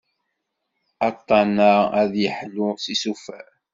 Aṭṭan-a ad yeḥlu s isufar.